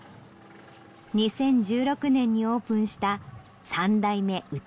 ２０１６年にオープンした「三代目歌吉の店」。